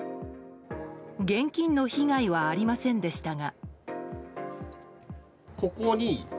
現金の被害はありませんでしたが。